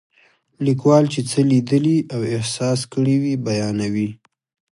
لیکوال چې څه لیدلي او احساس کړي وي بیانوي.